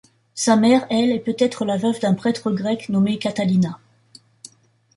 Sa mère, elle, est peut-être la veuve d'un prêtre grec nommée Katalina.